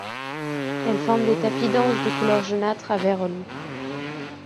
Elle forme des tapis denses de couleur jaunâtre à vert olive.